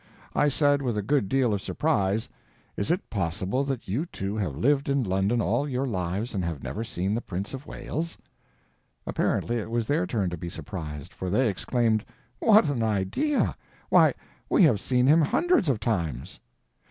I said, with a good deal of surprise, "Is it possible that you two have lived in London all your lives and have never seen the Prince of Wales?" Apparently it was their turn to be surprised, for they exclaimed: "What an idea! Why, we have seen him hundreds of times."